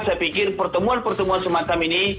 saya pikir pertemuan pertemuan semacam ini